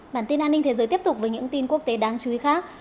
bản tin an ninh thế giới tiếp tục với những tin quốc tế đáng chú ý khác